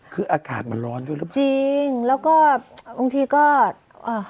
คืออากาศมันร้อนด้วยหรือเปล่าจริงแล้วก็บางทีก็อ่า